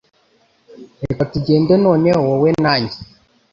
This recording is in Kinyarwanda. Reka tugende noneho, wowe na njye,